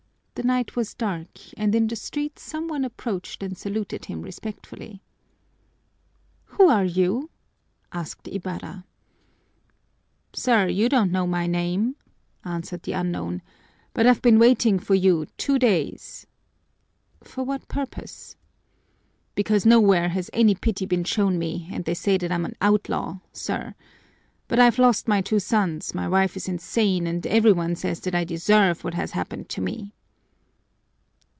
The night was dark and in the street some one approached and saluted him respectfully. "Who are you?" asked Ibarra. "Sir, you don't know my name," answered the unknown, "but I've been waiting for you two days." "For what purpose?" "Because nowhere has any pity been shown me and they say that I'm an outlaw, sir. But I've lost my two sons, my wife is insane, and every one says that I deserve what has happened to me."